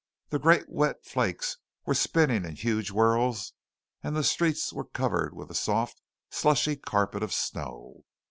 The great wet flakes were spinning in huge whirls and the streets were covered with a soft, slushy carpet of snow.